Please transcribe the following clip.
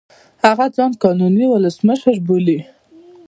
هغه ځان قانوني اولسمشر بولي.